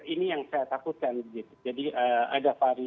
ini yang saya takutkan